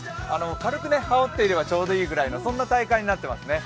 軽く羽織っていればちょうどいいぐらいのそんな体感になっていますね。